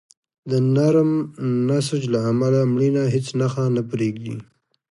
د نرم نسج له امله مړینه هیڅ نښه نه پرېږدي.